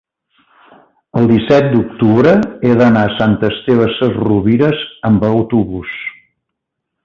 el disset d'octubre he d'anar a Sant Esteve Sesrovires amb autobús.